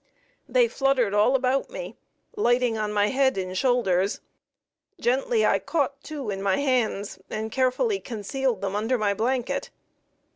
They fluttered all about me, lighting on my head and shoulders; gently I caught two in my hands and carefully concealed them under my blanket.